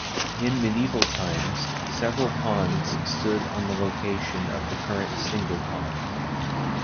In medieval times, several ponds stood on the location of the current single pond.